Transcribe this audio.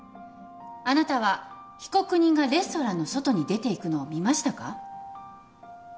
あなたは被告人がレストランの外に出ていくのを見ましたか？